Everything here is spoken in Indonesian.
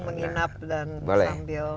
mungkin menginap dan sambil